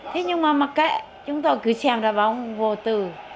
thế nhưng mà mà kể chúng tôi cứ xem là bóng vô tử